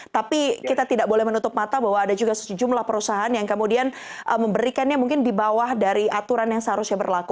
tapi kita tidak boleh menutup mata bahwa ada juga sejumlah perusahaan yang kemudian memberikannya mungkin di bawah dari aturan yang seharusnya berlaku